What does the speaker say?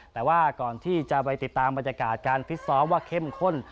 แต่ว่าก่อนที่จะไปติดตามบรรยากาศการฟิตซ้อมว่าเข้มข้น